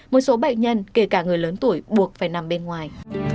một số bệnh nhân kể cả người lớn tuổi buộc phải nằm bên ngoài